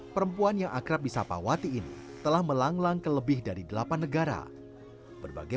perempuan yang akrab di sapa wati ini telah melanglang ke lebih dari delapan negara berbagai